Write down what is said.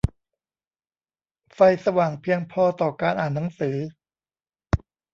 ไฟสว่างเพียงพอต่อการอ่านหนังสือ